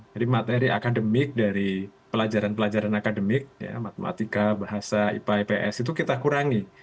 jadi materi akademik dari pelajaran pelajaran akademik ya matematika bahasa ipa ips itu kita kurangi